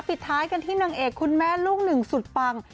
ปิดท้ายกันที่นางเอกคุณแม่ลูกหนึ่งสุดปัง